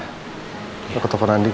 kita ke telfon andin ya